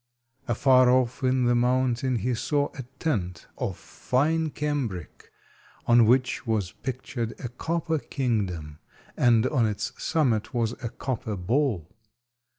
Afar off in the mountain he saw a tent of fine cambric, on which was pictured a copper kingdom, and on its summit was a copper ball.